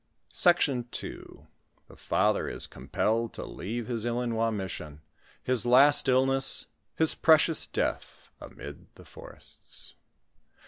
SECTION II. THE FATHER IS COMPELLED TO LEAVE HIS ILISOIS MISSIOS^HIS LAST ILLNESS.— HIS PRECIOUS DEATH AMID THE FORESTS.